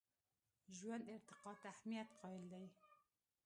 ژوند ارتقا ته اهمیت قایل دی.